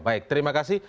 baik terima kasih